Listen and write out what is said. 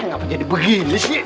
ngapain jadi begini sih